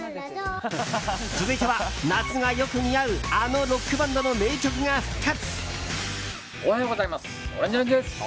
続いては、夏がよく似合うあのロックバンドの名曲が復活。